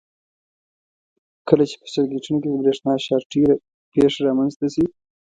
کله چې په سرکټونو کې د برېښنا شارټۍ پېښه رامنځته شي.